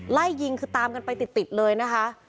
ไล่ยิงคือตามกันไปติดเลยนะคะ